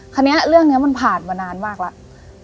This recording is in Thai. เรื่องนี้เรื่องนี้มันผ่านมานานมากแล้ว